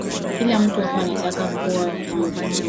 Kila mtu hapa atataka kuwa wa kwanza.